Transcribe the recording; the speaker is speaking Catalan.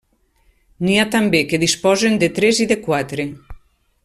N'hi ha també que disposen de tres i de quatre.